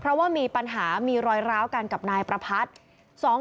เพราะว่ามีปัญหามีรอยร้าวกันกับนายประพัทธ์